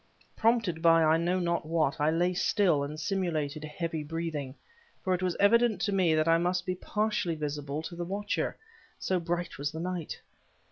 Prompted by I know not what, I lay still and simulated heavy breathing; for it was evident to me that I must be partly visible to the watcher, so bright was the night.